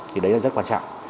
thì đấy là rất quan trọng